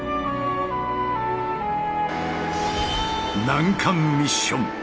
難関ミッション！